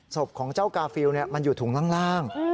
ของเจ้ากาฟิลมันอยู่ถุงล่าง